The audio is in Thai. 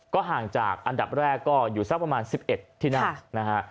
ก็ห่างจากอันดับแรกก็อยู่สักประมาณ๑๑ที่นั่งนะฮะ